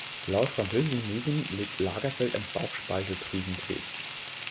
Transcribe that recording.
Laut französischen Medien litt Lagerfeld an Bauchspeicheldrüsenkrebs.